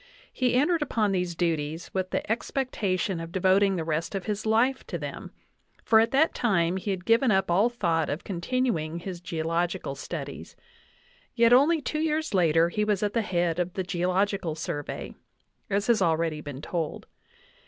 He entered upon these duties with the expectation of devoting the rest of his life to them, for at that time he had given up all thought of continuing his geological studies ; yet only two years later he was at the head of the Geological Survey, as has already been told.